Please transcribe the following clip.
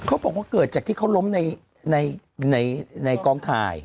เขาบอกว่าเกิดจากที่เขาล้มในกองถ่าย